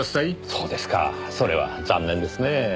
そうですかそれは残念ですねぇ。